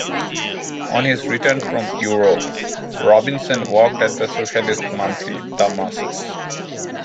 On his return from Europe, Robinson worked at the socialist monthly The Masses.